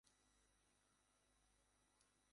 তিনি বর্তমানে কোন ক্লাবের সাথে চুক্তিবদ্ধ নন।